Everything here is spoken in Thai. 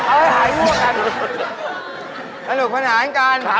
เอาตาเพดแล้วเค้าอยู่ข้างหวัด